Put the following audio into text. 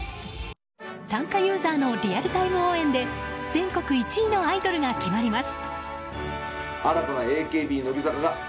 参加ユーザーのリアルタイム応援で全国１位のアイドルが決まります。